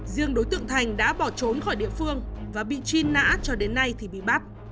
riêng đối tượng thành đã bỏ trốn khỏi địa phương và bị truy nã cho đến nay thì bị bắt